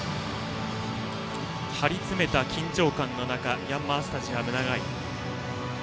張り詰めた緊張感の中ヤンマースタジアム長居。